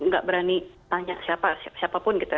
gak berani tanya siapa siapapun gitu